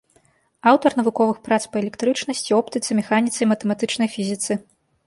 Аўтар навуковых прац па электрычнасці, оптыцы, механіцы і матэматычнай фізіцы.